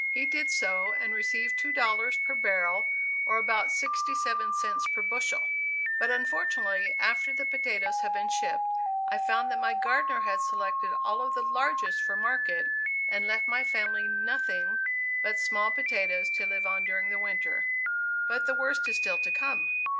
He did so, and received two dollars per barrel, or about sixty seven cents per bushel. But, unfortunately, after the potatoes had been shipped, I found that my gardener had selected all the largest for market, and left my family nothing but "small potatoes" to live on during the winter. But the worst is still to come.